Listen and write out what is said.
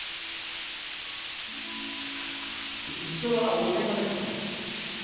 「一生」は大げさですね。